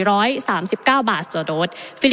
ประเทศอื่นซื้อในราคาประเทศอื่น